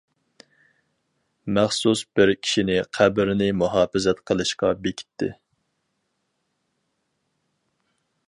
مەخسۇس بىر كىشىنى قەبرىنى مۇھاپىزەت قىلىشقا بېكىتتى.